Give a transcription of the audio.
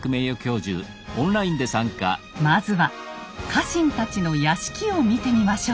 まずは家臣たちの屋敷を見てみましょう。